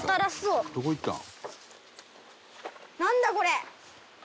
どこ行った？」